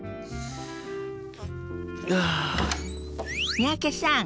三宅さん